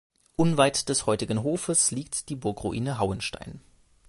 Unweit des heutigen großen Hofes liegt die Burgruine Hauenstein.